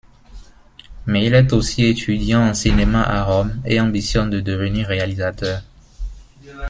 Mais il est aussi étudiant en cinéma à Rome et ambitionne de devenir réalisateur.